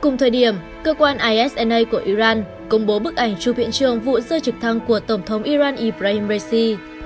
cùng thời điểm cơ quan isna của iran công bố bức ảnh chụp hiện trường vụ rơi trực thăng của tổng thống iran ibrahim raisi